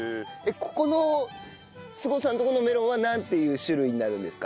ここの菅生さんのとこのメロンはなんていう種類になるんですか？